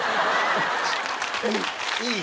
いい！